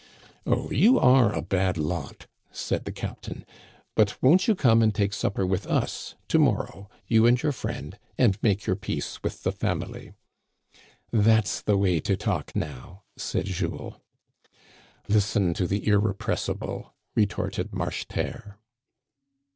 " Oh, you are a bad lot," said the captain ;" but won't you come and take supper with us to morrow, you and your friend, and make your peace with the family?" " That's the way to talk, now !" said Jules. '* Listen to the irrepressible," retorted Marcheterre.